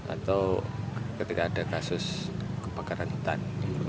atau ketika ada kasus kebakaran hutan